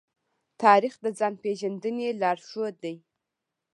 تاریخ د ځان پېژندنې لارښود دی.